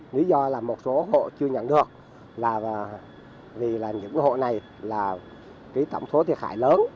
lý do là một số hộ chưa nhận được là vì là những hộ này là tổng số thiệt hại lớn